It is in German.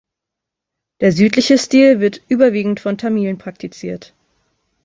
Der südliche Stil wird überwiegend von Tamilen praktiziert.